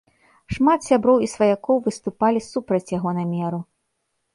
Шмат сяброў і сваякоў выступалі супраць яго намеру.